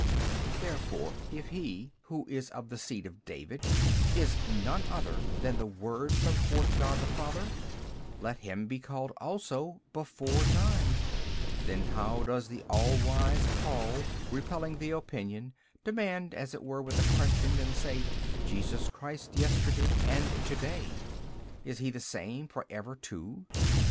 B. Therefore if he who is of the seed of David is none other than the Word from forth God the Father, let him be called also before time: then how does the all wise Paul, repelling the opinion, demand as it were with a question, and say, Jesus Christ yesterday and to day, is he the same for ever too?